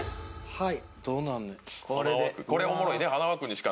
はい。